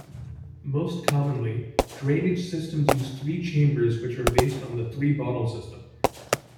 Most commonly, drainage systems use three chambers which are based on the three-bottle system.